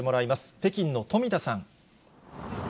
北京の富田さん。